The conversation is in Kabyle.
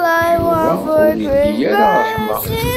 Yuba ur ili ara ṛṛeḥma.